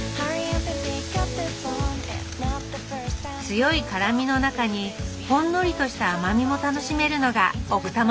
強い辛みの中にほんのりとした甘みも楽しめるのが奥多摩のわさび。